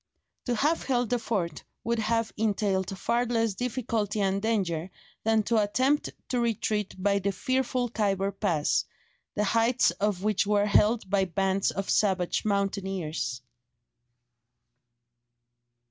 To have held the fort would have entailed far less difficulty and danger than to attempt to retreat by the fearful Khyber pass, the heights of which were held by bands of savage mountaineers.